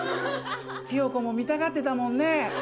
キヨコも見たがってたもんね？